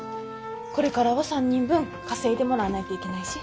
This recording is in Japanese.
これからは３人分稼いでもらわないといけないし。